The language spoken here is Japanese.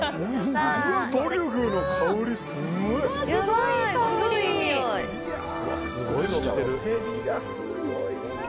トリュフの香りすごい！